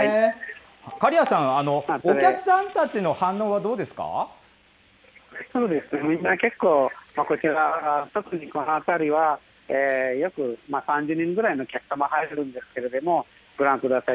カリアさん、お客さんたちの反応そうですね、みんな結構、こちら、特にこの辺りは、よく３０人ぐらいのお客さんが入るんですけれども、ご覧ください。